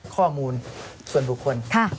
ข้อมูลส่วนบุคคล